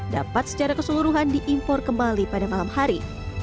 dapat secara keseluruhan diimpor kembali pada malam hari